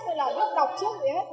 hay là viết đọc trước gì hết